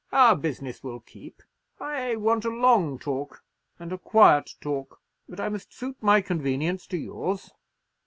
Our business will keep. I want a long talk, and a quiet talk; but I must suit my convenience to yours.